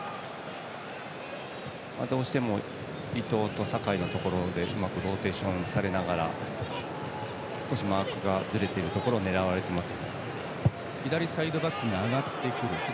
どうしても伊東と酒井のところでうまくローテーションされながら少しマークがずれたところを狙われています。